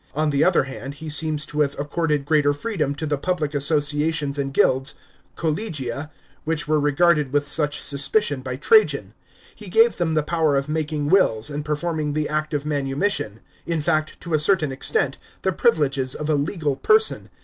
On the other hand, he seems to have accorded greater freedom to the public associations and guilds — collegia — which were regarded with such suspicion by Trajan. He gave them the power of making wills ana performing the act of manumission ; in fact, to a certain extent, the privileges of a legal person.